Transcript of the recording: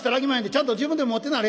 ちゃんと自分で持ってなはれ」。